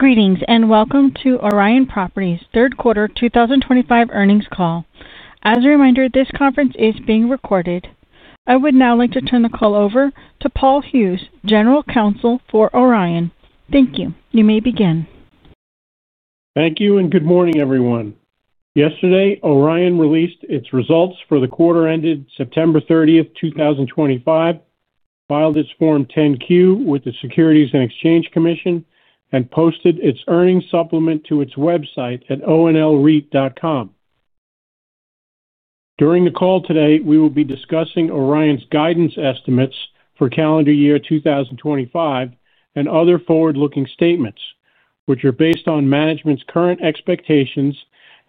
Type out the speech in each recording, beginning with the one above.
Greetings and welcome to Orion Properties' third quarter 2025 earnings call. As a reminder, this conference is being recorded. I would now like to turn the call over to Paul Hughes, General Counsel for Orion. Thank you. You may begin. Thank you and good morning, everyone. Yesterday, Orion released its results for the quarter ended September 30th, 2025, filed its Form 10-Q with the Securities and Exchange Commission, and posted its earnings supplement to its website at onlreit.com. During the call today, we will be discussing Orion's guidance estimates for calendar year 2025 and other forward-looking statements, which are based on management's current expectations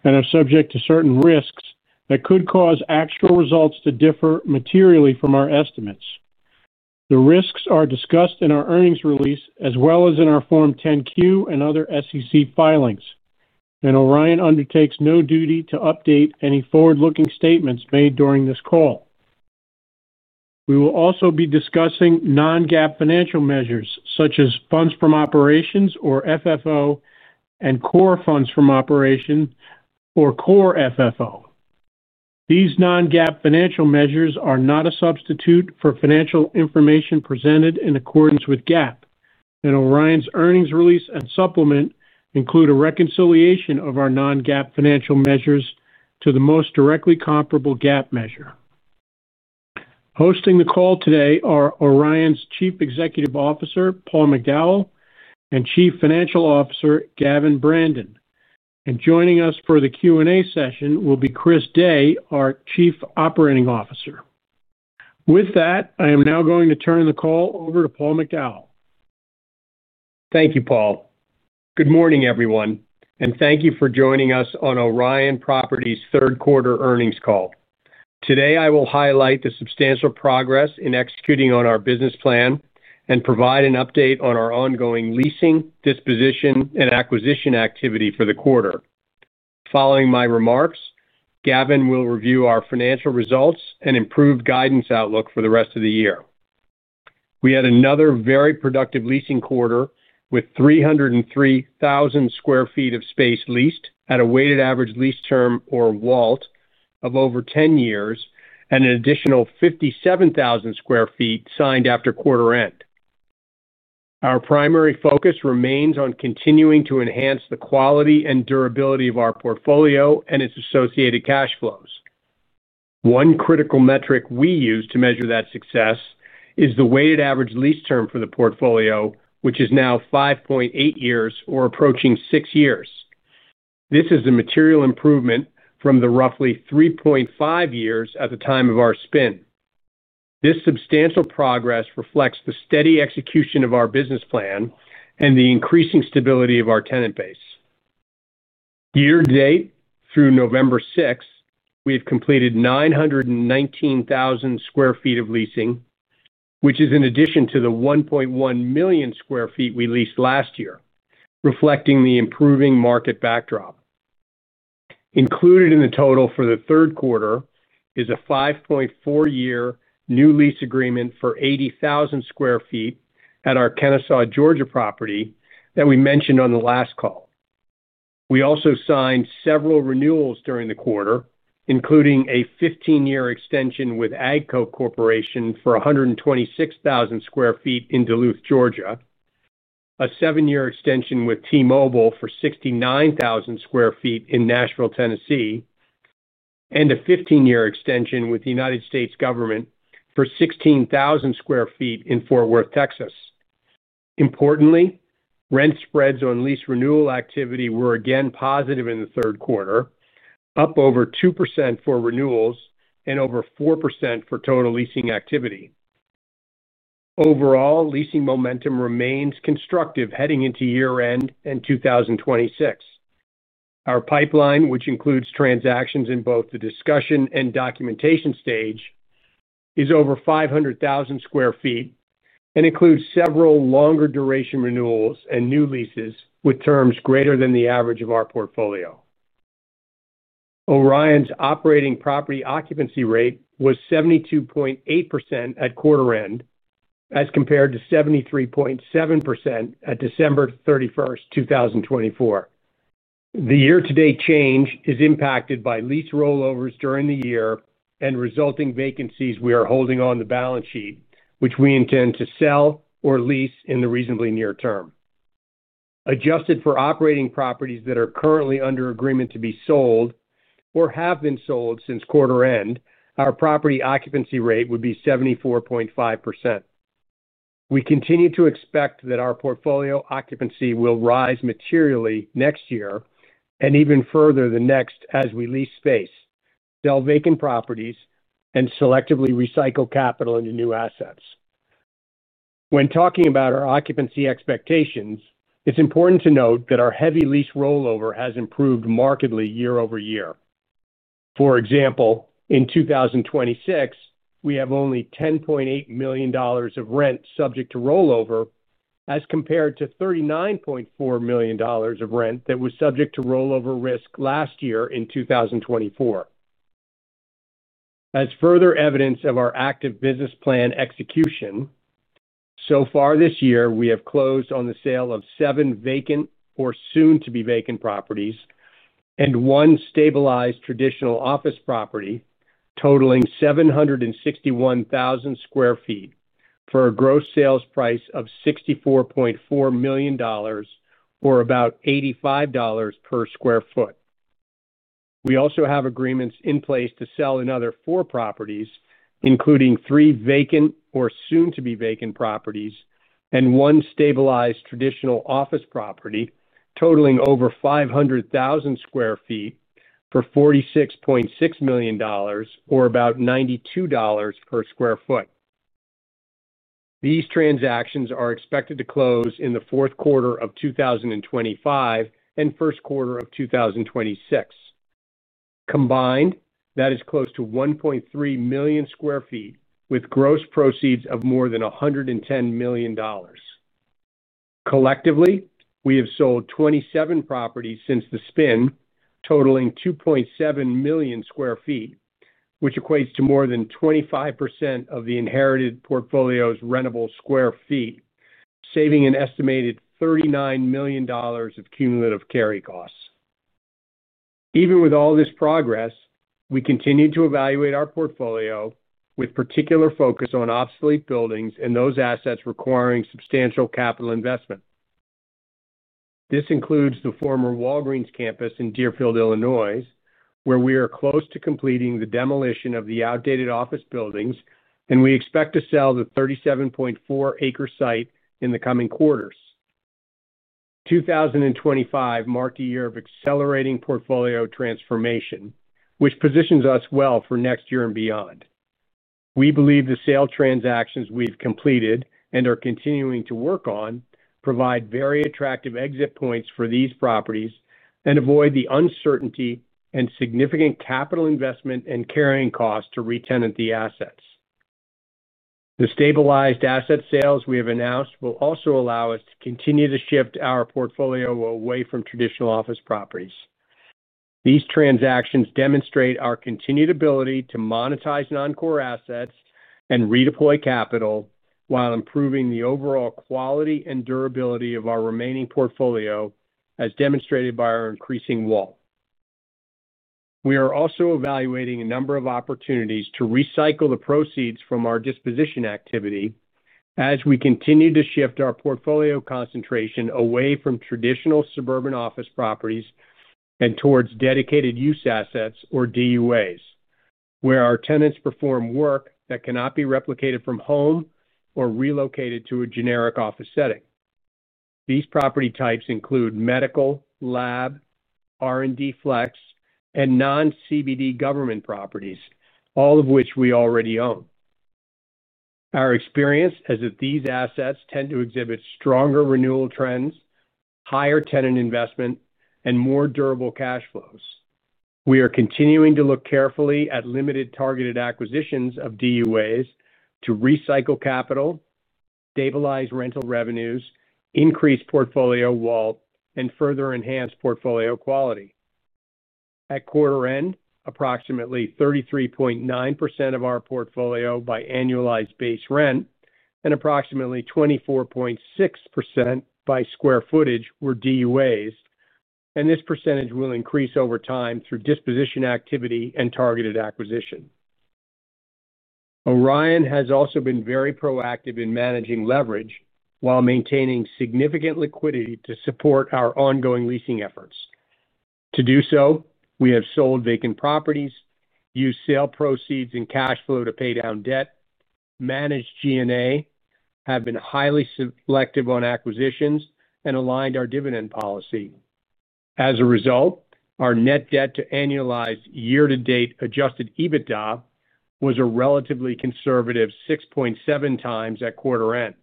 and are subject to certain risks that could cause actual results to differ materially from our estimates. The risks are discussed in our earnings release as well as in our Form 10-Q and other SEC filings, and Orion undertakes no duty to update any forward-looking statements made during this call. We will also be discussing non-GAAP financial measures such as funds from operations or FFO and core funds from operations or core FFO. These non-GAAP financial measures are not a substitute for financial information presented in accordance with GAAP, and Orion's earnings release and supplement include a reconciliation of our non-GAAP financial measures to the most directly comparable GAAP measure. Hosting the call today are Orion's Chief Executive Officer, Paul McDowell, and Chief Financial Officer, Gavin Brandon. Joining us for the Q&A session will be Chris Day, our Chief Operating Officer. With that, I am now going to turn the call over to Paul McDowell. Thank you, Paul. Good morning, everyone, and thank you for joining us on Orion Properties' third quarter earnings call. Today, I will highlight the substantial progress in executing on our business plan and provide an update on our ongoing leasing, disposition, and acquisition activity for the quarter. Following my remarks, Gavin will review our financial results and improved guidance outlook for the rest of the year. We had another very productive leasing quarter with 303,000 sq ft of space leased at a weighted average lease term, or WALT, of over 10 years and an additional 57,000 sq ft signed after quarter end. Our primary focus remains on continuing to enhance the quality and durability of our portfolio and its associated cash flows. One critical metric we use to measure that success is the weighted average lease term for the portfolio, which is now 5.8 years or approaching 6 years. This is a material improvement from the roughly 3.5 years at the time of our spin. This substantial progress reflects the steady execution of our business plan and the increasing stability of our tenant base. Year to date, through November 6th, we have completed 919,000 sq ft of leasing, which is in addition to the 1.1 million sq ft we leased last year, reflecting the improving market backdrop. Included in the total for the third quarter is a 5.4-year new lease agreement for 80,000 sq ft at our Kennesaw, Georgia, property that we mentioned on the last call. We also signed several renewals during the quarter, including a 15-year extension with AGCO Corporation for 126,000 sq ft in Duluth, Georgia, a 7-year extension with T-Mobile for 69,000 sq ft in Nashville, Tennessee, and a 15-year extension with the United States government for 16,000 sq ft in Fort Worth, Texas. Importantly, rent spreads on lease renewal activity were again positive in the third quarter, up over 2% for renewals and over 4% for total leasing activity. Overall, leasing momentum remains constructive heading into year-end and 2026. Our pipeline, which includes transactions in both the discussion and documentation stage, is over 500,000 sq ft and includes several longer-duration renewals and new leases with terms greater than the average of our portfolio. Orion's operating property occupancy rate was 72.8% at quarter end as compared to 73.7% at December 31st, 2024. The year-to-date change is impacted by lease rollovers during the year and resulting vacancies we are holding on the balance sheet, which we intend to sell or lease in the reasonably near term. Adjusted for operating properties that are currently under agreement to be sold or have been sold since quarter end, our property occupancy rate would be 74.5%. We continue to expect that our portfolio occupancy will rise materially next year and even further the next as we lease space, sell vacant properties, and selectively recycle capital into new assets. When talking about our occupancy expectations, it's important to note that our heavy lease rollover has improved markedly year over year. For example, in 2026, we have only $10.8 million of rent subject to rollover as compared to $39.4 million of rent that was subject to rollover risk last year in 2024. As further evidence of our active business plan execution, so far this year, we have closed on the sale of seven vacant or soon-to-be-vacant properties and one stabilized traditional office property totaling 761,000 sq ft for a gross sales price of $64.4 million, or about $85 per sq ft. We also have agreements in place to sell another four properties, including three vacant or soon-to-be-vacant properties and one stabilized traditional office property totaling over 500,000 sq ft for $46.6 million, or about $92 per sq ft. These transactions are expected to close in the fourth quarter of 2025 and first quarter of 2026. Combined, that is close to 1.3 million sq ft with gross proceeds of more than $110 million. Collectively, we have sold 27 properties since the spin totaling 2.7 million sq ft, which equates to more than 25% of the inherited portfolio's rentable sq ft, saving an estimated $39 million of cumulative carry costs. Even with all this progress, we continue to evaluate our portfolio with particular focus on obsolete buildings and those assets requiring substantial capital investment. This includes the former Walgreens campus in Deerfield, Illinois, where we are close to completing the demolition of the outdated office buildings, and we expect to sell the 37.4-acre site in the coming quarters. 2025 marked a year of accelerating portfolio transformation, which positions us well for next year and beyond. We believe the sale transactions we've completed and are continuing to work on provide very attractive exit points for these properties and avoid the uncertainty and significant capital investment and carrying costs to retenant the assets. The stabilized asset sales we have announced will also allow us to continue to shift our portfolio away from traditional office properties. These transactions demonstrate our continued ability to monetize non-core assets and redeploy capital while improving the overall quality and durability of our remaining portfolio, as demonstrated by our increasing WALT. We are also evaluating a number of opportunities to recycle the proceeds from our disposition activity as we continue to shift our portfolio concentration away from traditional suburban office properties and towards dedicated use assets, or DUAs, where our tenants perform work that cannot be replicated from home or relocated to a generic office setting. These property types include medical, lab, R&D flex, and non-CBD government properties, all of which we already own. Our experience is that these assets tend to exhibit stronger renewal trends, higher tenant investment, and more durable cash flows. We are continuing to look carefully at limited targeted acquisitions of DUAs to recycle capital, stabilize rental revenues, increase portfolio WALT, and further enhance portfolio quality. At quarter end, approximately 33.9% of our portfolio by annualized base rent and approximately 24.6% by square footage were DUAs, and this percentage will increase over time through disposition activity and targeted acquisition. Orion has also been very proactive in managing leverage while maintaining significant liquidity to support our ongoing leasing efforts. To do so, we have sold vacant properties, used sale proceeds and cash flow to pay down debt, managed G&A, have been highly selective on acquisitions, and aligned our dividend policy. As a result, our net debt to annualized year-to-date adjusted EBITDA was a relatively conservative 6.7x at quarter end.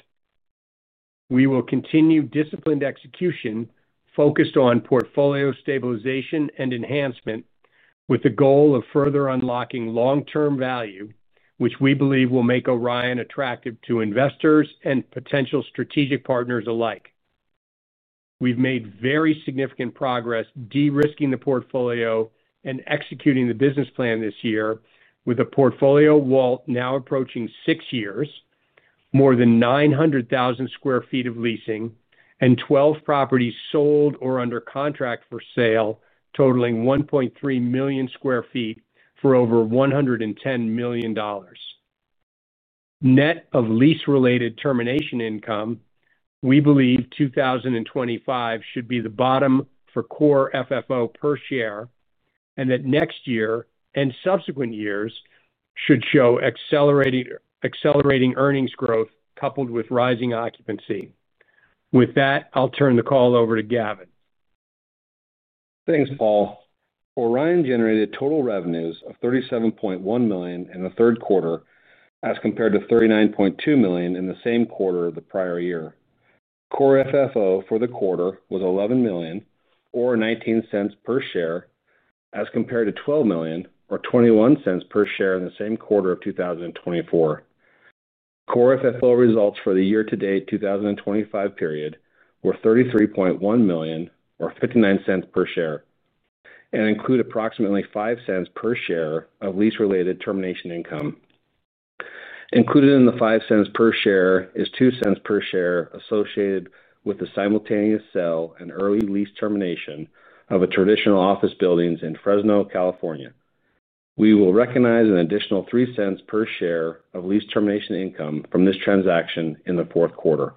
We will continue disciplined execution focused on portfolio stabilization and enhancement with the goal of further unlocking long-term value, which we believe will make Orion attractive to investors and potential strategic partners alike. We've made very significant progress de-risking the portfolio and executing the business plan this year, with a portfolio WALT now approaching 6 years, more than 900,000 sq ft of leasing, and 12 properties sold or under contract for sale totaling 1.3 million sq ft for over $110 million. Net of lease-related termination income, we believe 2025 should be the bottom for core FFO per share and that next year and subsequent years should show accelerating earnings growth coupled with rising occupancy. With that, I'll turn the call over to Gavin. Thanks, Paul. Orion generated total revenues of $37.1 million in the third quarter as compared to $39.2 million in the same quarter of the prior year. Core FFO for the quarter was $11 million, or $0.19 per share, as compared to $12 million, or $0.21 per share in the same quarter of 2024. Core FFO results for the year-to-date 2025 period were $33.1 million, or $0.59 per share, and include approximately $0.05 per share of lease-related termination income. Included in the $0.05 per share is $0.02 per share associated with the simultaneous sale and early lease termination of a traditional office building in Fresno, California. We will recognize an additional $0.03 per share of lease termination income from this transaction in the fourth quarter.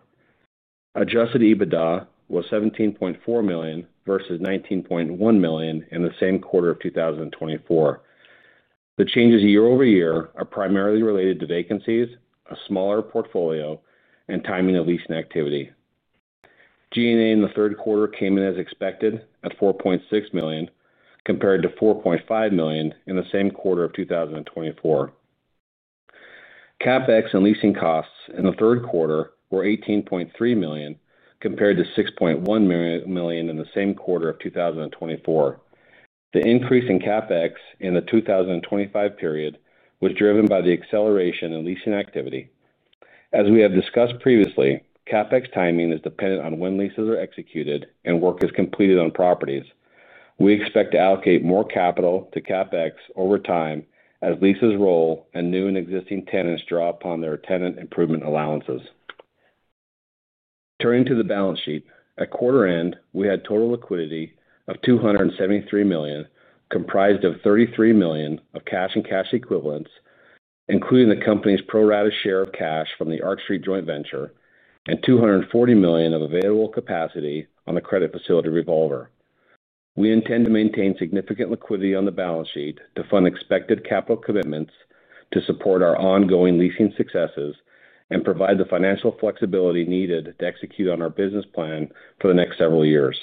Adjusted EBITDA was $17.4 million versus $19.1 million in the same quarter of 2024. The changes year-over-year are primarily related to vacancies, a smaller portfolio, and timing of leasing activity. G&A in the third quarter came in as expected at $4.6 million compared to $4.5 million in the same quarter of 2024. CapEx and leasing costs in the third quarter were $18.3 million compared to $6.1 million in the same quarter of 2024. The increase in CapEx in the 2025 period was driven by the acceleration in leasing activity. As we have discussed previously, CapEx timing is dependent on when leases are executed and work is completed on properties. We expect to allocate more capital to CapEx over time as leases roll and new and existing tenants draw upon their tenant improvement allowances. Turning to the balance sheet, at quarter end, we had total liquidity of $273 million, comprised of $33 million of cash and cash equivalents, including the company's pro rata share of cash from the Arch Street Joint Venture, and $240 million of available capacity on the credit facility revolver. We intend to maintain significant liquidity on the balance sheet to fund expected capital commitments to support our ongoing leasing successes and provide the financial flexibility needed to execute on our business plan for the next several years.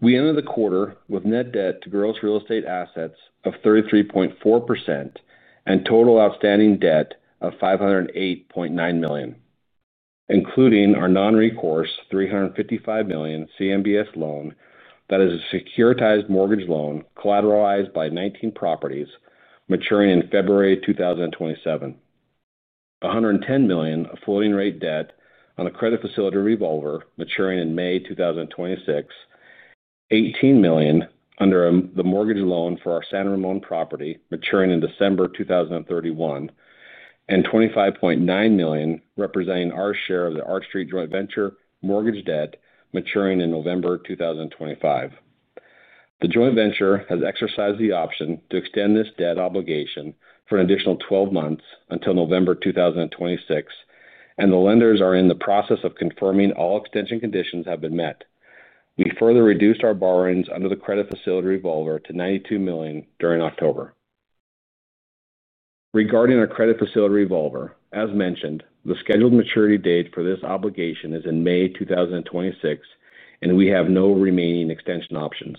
We ended the quarter with net debt to gross real estate assets of 33.4% and total outstanding debt of $508.9 million, including our non-recourse $355 million CMBS loan that is a securitized mortgage loan collateralized by 19 properties maturing in February 2027, $110 million of floating rate debt on a credit facility revolver maturing in May 2026, $18 million under the mortgage loan for our San Ramon property maturing in December 2031, and $25.9 million representing our share of the Arch Street Joint Venture mortgage debt maturing in November 2025. The joint venture has exercised the option to extend this debt obligation for an additional 12 months until November 2026, and the lenders are in the process of confirming all extension conditions have been met. We further reduced our borrowings under the credit facility revolver to $92 million during October. Regarding our credit facility revolver, as mentioned, the scheduled maturity date for this obligation is in May 2026, and we have no remaining extension options.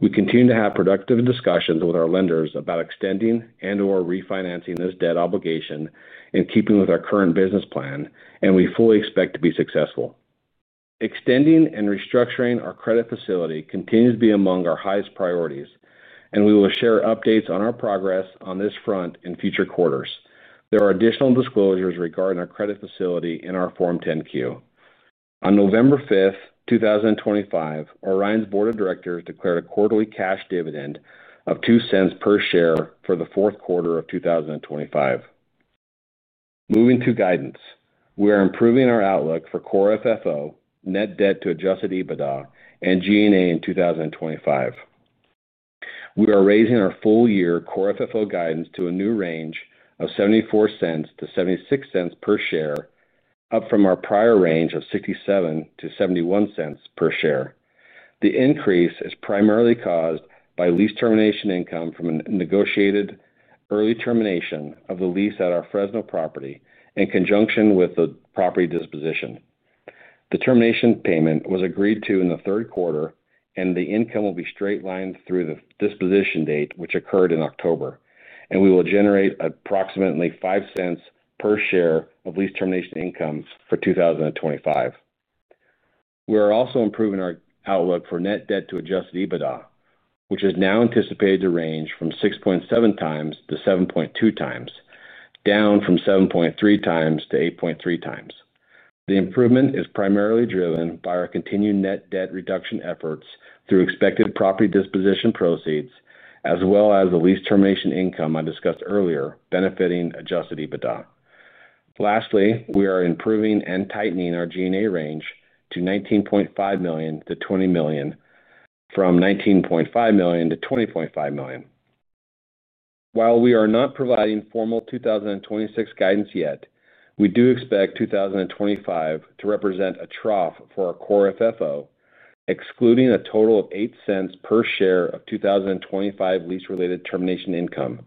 We continue to have productive discussions with our lenders about extending and/or refinancing this debt obligation in keeping with our current business plan, and we fully expect to be successful. Extending and restructuring our credit facility continues to be among our highest priorities, and we will share updates on our progress on this front in future quarters. There are additional disclosures regarding our credit facility in our Form 10-Q. On November 5th, 2025, Orion's board of directors declared a quarterly cash dividend of $0.02 per share for the fourth quarter of 2025. Moving to guidance, we are improving our outlook for core FFO, net debt to adjusted EBITDA, and G&A in 2025. We are raising our full-year core FFO guidance to a new range of $0.74-$0.76 per share, up from our prior range of $0.67-$0.71 per share. The increase is primarily caused by lease termination income from a negotiated early termination of the lease at our Fresno property in conjunction with the property disposition. The termination payment was agreed to in the third quarter, and the income will be straightlined through the disposition date, which occurred in October, and we will generate approximately $0.05 per share of lease termination income for 2025. We are also improving our outlook for net debt to adjusted EBITDA, which is now anticipated to range from 6.7x-7.2x, down from 7.3x-8.3x. The improvement is primarily driven by our continued net debt reduction efforts through expected property disposition proceeds, as well as the lease termination income I discussed earlier, benefiting adjusted EBITDA. Lastly, we are improving and tightening our G&A range to $19.5 million-$20 million, from $19.5 million-$20.5 million. While we are not providing formal 2026 guidance yet, we do expect 2025 to represent a trough for our core FFO, excluding a total of $0.08 per share of 2025 lease-related termination income,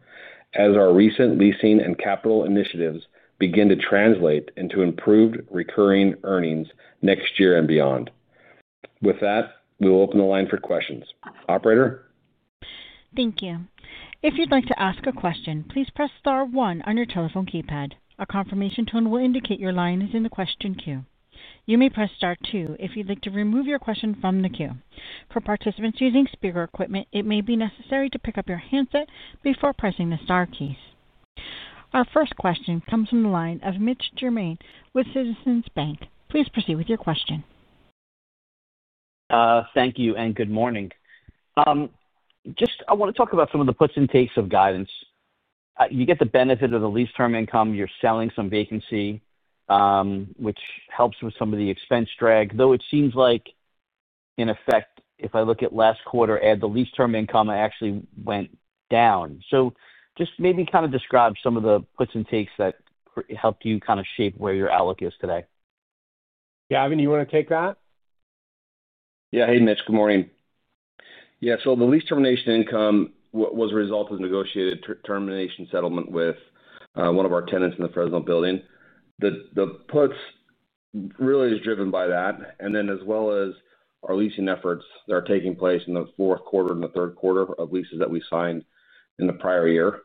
as our recent leasing and capital initiatives begin to translate into improved recurring earnings next year and beyond. With that, we will open the line for questions. Operator? Thank you. If you'd like to ask a question, please press star one on your telephone keypad. A confirmation tone will indicate your line is in the question queue. You may press star two if you'd like to remove your question from the queue. For participants using speaker equipment, it may be necessary to pick up your handset before pressing the Star keys. Our first question comes from the line of Mitch Germain with Citizens Bank. Please proceed with your question. Thank you and good morning. Just I want to talk about some of the puts and takes of guidance. You get the benefit of the lease term income. You're selling some vacancy, which helps with some of the expense drag, though it seems like, in effect, if I look at last quarter, add the lease term income, it actually went down. So just maybe kind of describe some of the puts and takes that helped you kind of shape where your outlook is today. Gavin, do you want to take that? Yeah. Hey, Mitch. Good morning. Yeah. The lease termination income was a result of negotiated termination settlement with one of our tenants in the Fresno building. The puts really is driven by that. As well as our leasing efforts that are taking place in the fourth quarter and the third quarter of leases that we signed in the prior year,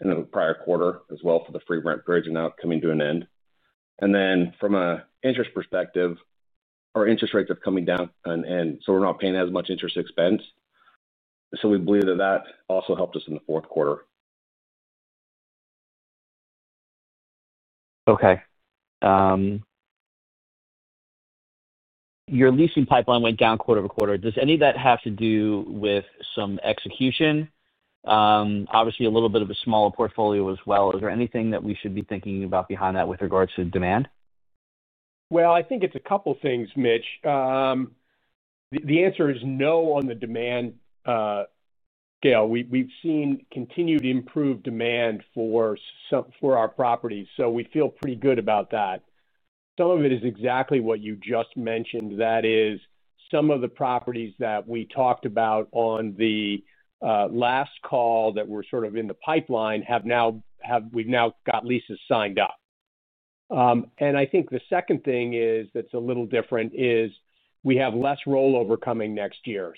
in the prior quarter as well for the free rent bridge and now coming to an end. From an interest perspective, our interest rates are coming down, and we are not paying as much interest expense. We believe that that also helped us in the fourth quarter. Okay. Your leasing pipeline went down quarter-to-quarter. Does any of that have to do with some execution? Obviously, a little bit of a smaller portfolio as well. Is there anything that we should be thinking about behind that with regards to demand? I think it's a couple of things, Mitch. The answer is no on the demand scale. We've seen continued improved demand for our properties, so we feel pretty good about that. Some of it is exactly what you just mentioned. That is, some of the properties that we talked about on the last call that were sort of in the pipeline, we've now got leases signed up. I think the second thing that's a little different is we have less rollover coming next year.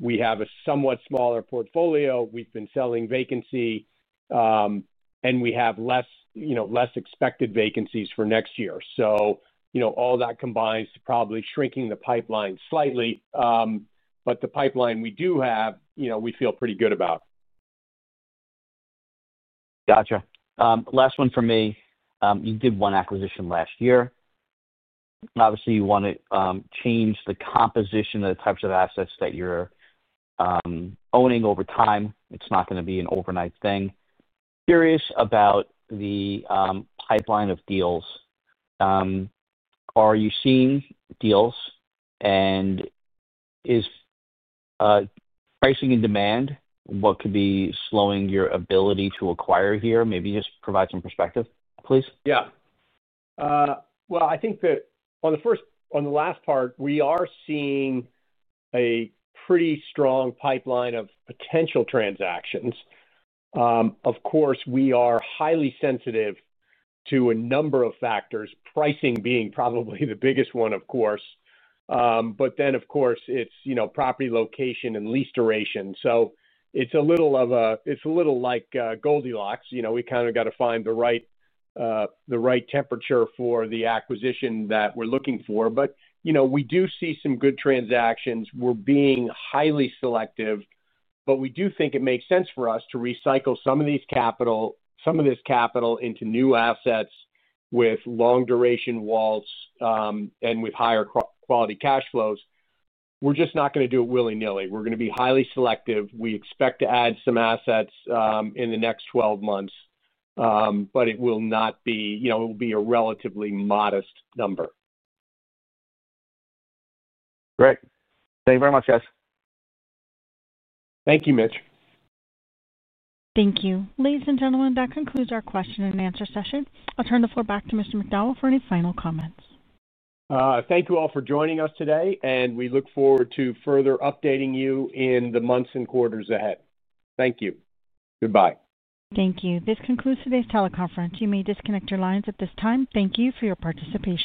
We have a somewhat smaller portfolio. We've been selling vacancy, and we have less expected vacancies for next year. All that combines to probably shrinking the pipeline slightly, but the pipeline we do have, we feel pretty good about. Gotcha. Last one for me. You did one acquisition last year. Obviously, you want to change the composition of the types of assets that you're owning over time. It's not going to be an overnight thing. Curious about the pipeline of deals. Are you seeing deals, and is pricing and demand what could be slowing your ability to acquire here? Maybe just provide some perspective, please. Yeah. I think that on the last part, we are seeing a pretty strong pipeline of potential transactions. Of course, we are highly sensitive to a number of factors, pricing being probably the biggest one, of course. Then, of course, it is property location and lease duration. It is a little like Goldilocks. We kind of got to find the right temperature for the acquisition that we are looking for. We do see some good transactions. We are being highly selective, but we do think it makes sense for us to recycle some of this capital into new assets with long-duration WALT and with higher quality cash flows. We are just not going to do it willy-nilly. We are going to be highly selective. We expect to add some assets in the next 12 months, but it will be a relatively modest number. Great. Thank you very much, guys. Thank you, Mitch. Thank you. Ladies and gentlemen, that concludes our question and answer session. I'll turn the floor back to Mr. McDowell for any final comments. Thank you all for joining us today, and we look forward to further updating you in the months and quarters ahead. Thank you. Goodbye. Thank you. This concludes today's teleconference. You may disconnect your lines at this time. Thank you for your participation.